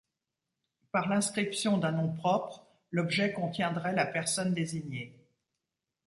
Par l'inscription d'un nom propre, l'objet contiendrait la personne désignée.